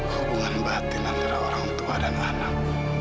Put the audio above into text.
hubungan batin antara orang tua dan anak